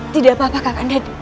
tidak apa apa kakanda